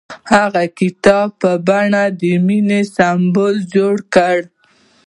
هغه د کتاب په بڼه د مینې سمبول جوړ کړ.